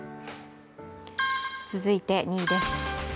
続いて２位です。